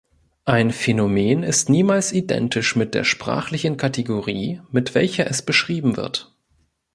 Ein Phänomen ist niemals identisch mit der sprachlichen Kategorie, mit welcher es beschrieben wird.